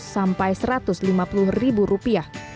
sampai satu ratus lima puluh ribu rupiah